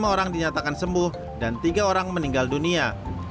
lima orang dinyatakan sembuh dan tiga orang meninggal dunia